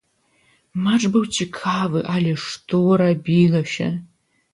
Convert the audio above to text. Матч быў цікавы, але што рабілася!